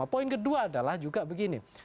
poin kedua adalah juga begini